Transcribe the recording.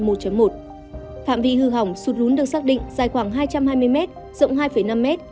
phạm vị hư hỏng sụt lún được xác định dài khoảng hai trăm hai mươi m rộng hai năm m